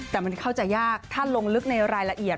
แต่มันเข้าใจยากถ้าลงลึกในรายละเอียด